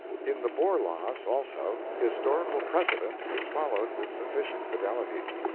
In the Boer loss, also, historical precedent is followed with sufficient fidelity.